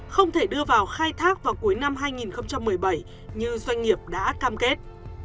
không thể đưa vào khai thác vào cuối năm hai nghìn một mươi bảy như doanh nghiệp đã cam kết